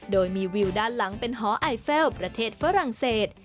โดยมีวิวด้านหลังเป็นหอไอเฟลประเทศฝรั่งเศส